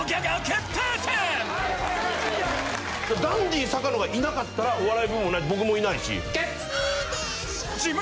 ダンディ坂野がいなかったらお笑い部門ないし僕もいないし。